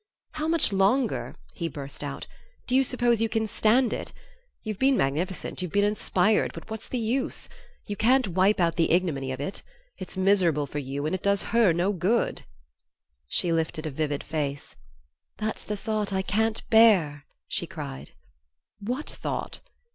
"How much longer," he burst out, "do you suppose you can stand it? You've been magnificent, you've been inspired, but what's the use? You can't wipe out the ignominy of it. It's miserable for you and it does HER no good!" She lifted a vivid face. "That's the thought I can't bear!" she cried. "What thought?"